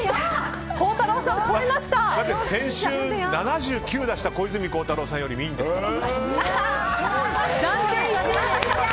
先週７９出した小泉孝太郎さんよりいいですから。